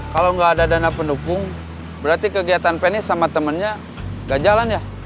kalau gak ada dana pendukung berarti kegiatan feni sama temennya gak jalan ya